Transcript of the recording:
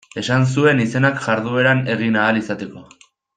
Esan zuen izenak jardueran egin ahal izateko.